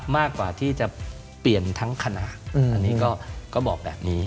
มากกว่าที่จะเปลี่ยนทั้งคณะอันนี้ก็บอกแบบนี้